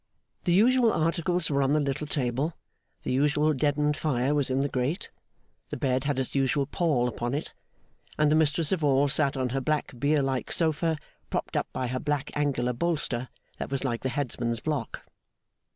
The usual articles were on the little table; the usual deadened fire was in the grate; the bed had its usual pall upon it; and the mistress of all sat on her black bier like sofa, propped up by her black angular bolster that was like the headsman's block.